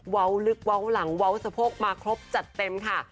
ว้าวลึกว้าวหลังว้าวสะโพกมาครบจัดเต็มค่ะ